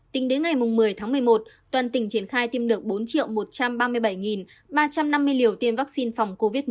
tính đến ngày một mươi tháng một mươi một toàn tỉnh triển khai tiêm được bốn một trăm ba mươi bảy ba trăm năm mươi liều tiêm vaccine phòng covid một mươi chín